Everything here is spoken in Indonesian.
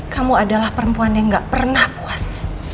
kamu adalah perempuan yang gak pernah puas